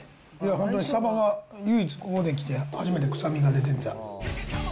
本当にサバが唯一ここに来て、初めて臭みが出てきた。